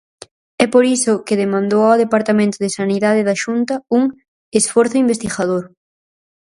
É por iso que demandou ao departamento de Sanidade da Xunta un "esforzo investigador".